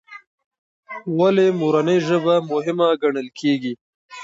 ولې مورنۍ ژبه مهمه ګڼل کېږي؟